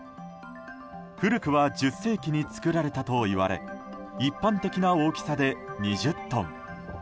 古くは１０世紀に造られたといわれ一般的な大きさで２０トン。